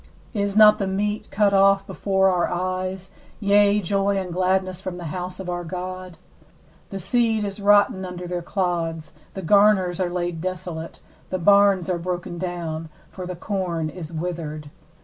16Is not the meat cut off before our eyes, yea, joy and gladness from the house of our God? 17The seed is rotten under their clods, the garners are laid desolate, the barns are broken down; for the corn is withered.